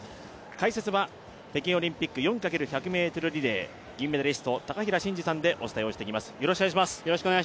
解説は北京オリンピック４×１００ｍリレー、銀メダリスト、高平慎士さんでお伝えしていきます。